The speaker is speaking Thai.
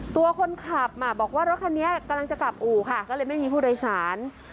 ตัวคนขับอ่ะบอกว่ารถคันนี้กำลังจะกลับอู่ค่ะก็เลยไม่มีผู้โดยสาร